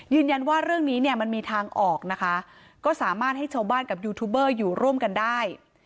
เรื่องนี้เนี่ยมันมีทางออกนะคะก็สามารถให้ชาวบ้านกับยูทูบเบอร์อยู่ร่วมกันได้